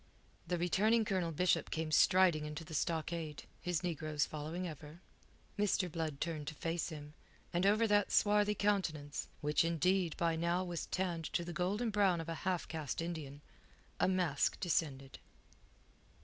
The returning Colonel Bishop came striding into the stockade, his negroes following ever. Mr. Blood turned to face him, and over that swarthy countenance which, indeed, by now was tanned to the golden brown of a half caste Indian a mask descended.